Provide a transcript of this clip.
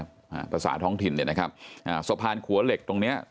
อ่าภาษาท้องถิ่นเนี้ยนะครับอ่าสะพานขัวเหล็กตรงเนี้ย